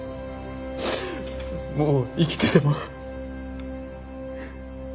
もう生きてても。